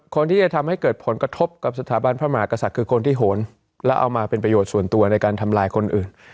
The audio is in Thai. คนที่จะทำให้เกิดผลกระทบกับสถาบันพระมหากษัตริย์คือคนที่โหนแล้วเอามาเป็นประโยชน์ส่วนตัวในการทำลายคนอื่น